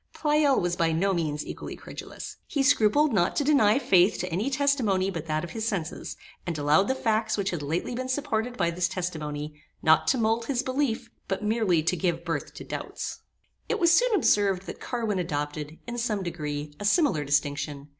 Pleyel was by no means equally credulous. He scrupled not to deny faith to any testimony but that of his senses, and allowed the facts which had lately been supported by this testimony, not to mould his belief, but merely to give birth to doubts. It was soon observed that Carwin adopted, in some degree, a similar distinction.